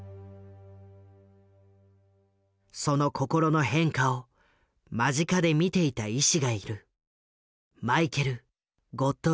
その心の変化を間近で見ていた医師がいる。